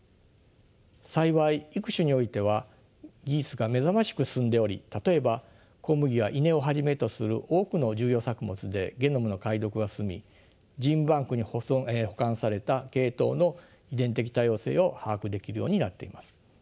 幸い育種においては技術が目覚ましく進んでおり例えば小麦や稲をはじめとする多くの重要作物でゲノムの解読が進みジーンバンクに保管された系統の遺伝的多様性を把握できるようになっています。